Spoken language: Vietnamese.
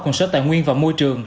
còn sở tài nguyên và môi trường